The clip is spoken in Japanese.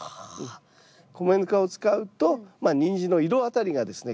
米ぬかを使うとニンジンの色あたりがですね